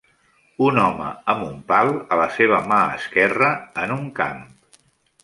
Un home amb un pal a la seva mà esquerra en un camp